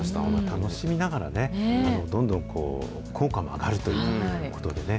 楽しみながら、どんどん効果も上がるということでね。